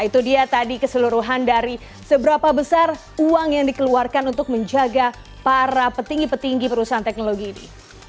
itu dia tadi keseluruhan dari seberapa besar uang yang dikeluarkan untuk menjaga para petinggi petinggi perusahaan teknologi ini